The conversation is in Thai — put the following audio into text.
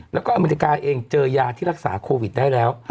แล้วก็อเมริกาเองเจอยาที่รักษาโควิดได้แล้ว